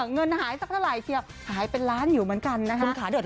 เงินหายสักเท่าไหร่เชียวหายเป็นล้านอยู่เหมือนกันนะครับ